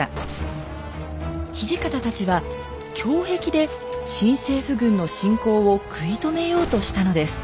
土方たちは胸壁で新政府軍の侵攻を食い止めようとしたのです。